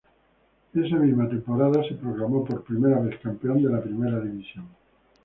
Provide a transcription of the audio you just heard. Esa misma temporada se proclamó por primera vez campeón de la primera división.